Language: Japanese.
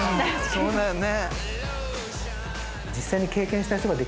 そうだよね。